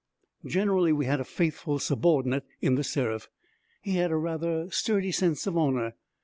Generally we had a faithful subordinate in The Seraph. He had a rather sturdy sense of honor.